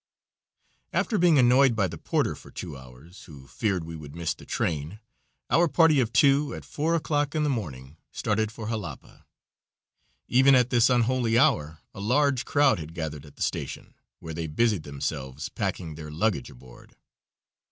After being annoyed by the porter for two hours, who feared we would miss the train, our party of two at four o'clock in the morning started for Jalapa. Even at this unholy hour a large crowd had gathered at the station, where they busied themselves packing their luggage aboard.